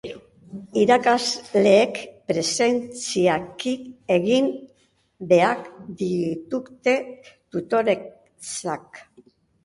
Irakasleek presentzialki egin behar dituzte tutoretzak.